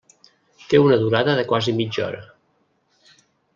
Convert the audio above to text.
Té una durada de quasi mitja hora.